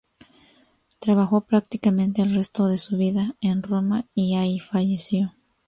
Trabajó prácticamente el resto de su vida en Roma y allí falleció.